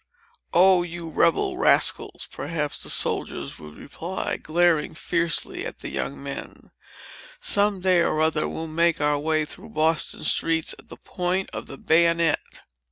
"Oh, you rebel rascals!" perhaps the soldiers would reply, glaring fiercely at the young men. "Some day or other, we'll make our way through Boston streets, at the point of the bayonet!"